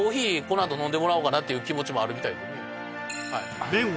このあと飲んでもらおうかなっていう気持ちもあるみたいでね